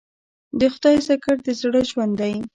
د خدای ذکر د زړه ژوند دی.